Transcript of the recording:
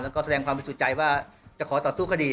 แล้วก็แสดงความบริสุทธิ์ใจว่าจะขอต่อสู้คดี